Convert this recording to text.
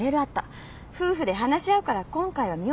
夫婦で話し合うから今回は見送るって。